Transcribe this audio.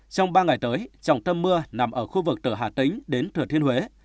trong ba ngày tới trọng tâm mưa nằm ở khu vực từ hà tĩnh đến thừa thiên huế